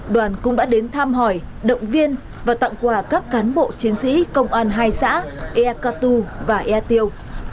đoàn cũng đã đến tham hỏi động viên và tặng quà các cán bộ chiến sĩ công an hai xã ea cà tu và ea tiêu